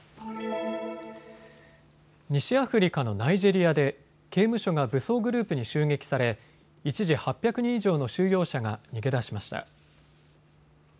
西アフリカのナイジェリアで刑務所が武装グループに襲撃され一時、８００人以上の収容者が逃げ出しました。